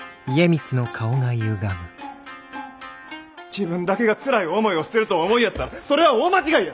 自分だけがつらい思いをしてるとお思いやったらそれは大間違いや！